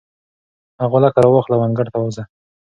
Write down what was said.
هغه غولکه راواخله او انګړ ته ووځه.